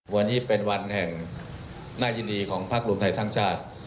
วันนี้เป็นวันแห่งน่ายินดีของภักดิ์ภูมิไทยทั้งชาติ